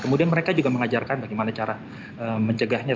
kemudian mereka juga mengajarkan bagaimana cara mencegahnya